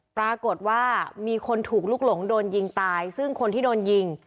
ปรากฏว่ามีคนถูกลุกหลงโดนยิงตายซึ่งคนที่โดนยิง